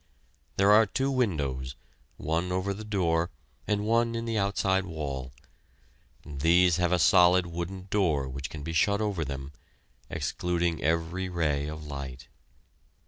There are two windows, one over the door and one in the outside wall. These have a solid wooden door which can be shut over them, excluding every ray of light.